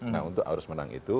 nah untuk arus menang itu